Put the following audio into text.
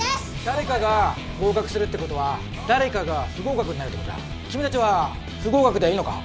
誰かが合格するってことは誰かが不合格になるってことだ君達は不合格でいいのか？